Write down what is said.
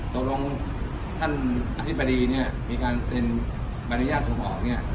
ตัวลงท่านอธิบดีมีการเซ็นบริญญาณส่งออก